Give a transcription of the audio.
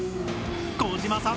児嶋さん